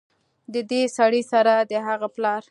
ددې سړي سره د هغه پلار